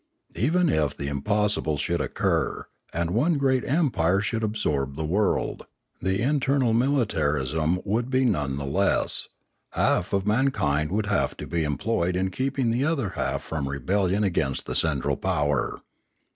Even if the impossible should occur, and one great empire should absorb the world, the internal militarism would be nonetheless; half of mankind would have to be em ployed in keeping the other half from rebellion against the central power.